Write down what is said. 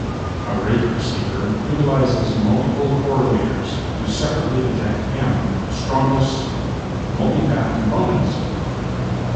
A rake receiver utilizes multiple correlators to separately detect "M" strongest multipath components.